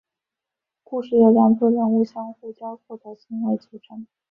故事由两组人物互相交错的行为组成。